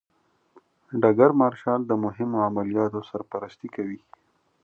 ډګر مارشال د مهمو عملیاتو سرپرستي کوي.